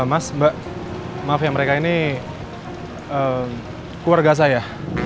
mas mbak maaf ya mereka ini keluarga saya